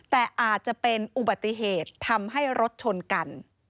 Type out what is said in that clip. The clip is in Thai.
แต่อาจจะเป็นอุบัติเหตุทำให้รถชนกัน